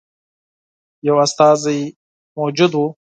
یو استازی موجود وو.